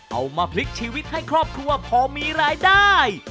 เอามาพลิกชีวิตให้ครอบครัวพอมีรายได้